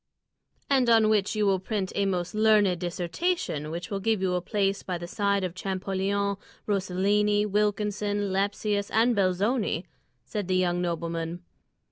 "And on which you will print a most learned dissertation which will give you a place by the side of Champollion, Rosellini, Wilkinson, Lepsius, and Belzoni," said the young nobleman.